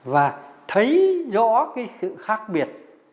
và thấy rõ cái sự khác biệt